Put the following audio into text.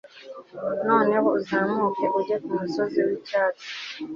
noneho uzamuke ujye kumusozi wicyatsi